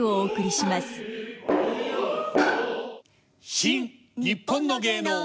「新・にっぽんの芸能」。